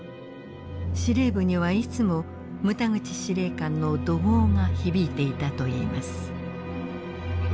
司令部にはいつも牟田口司令官の怒号が響いていたといいます。